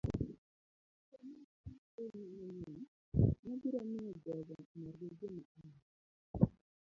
Kapo ni wach miwacho en manyien, mano biro miyo jogo omor gi gima iwacho.